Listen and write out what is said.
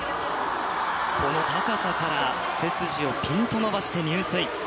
この高さから背筋をピンと伸ばして入水。